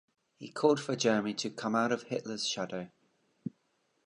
He called for Germany to "come out of Hitler's shadow".